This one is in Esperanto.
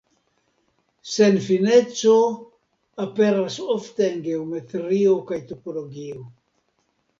Senfineco aperas ofte en geometrio kaj topologio.